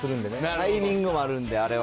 タイミングもあるんで、あれは。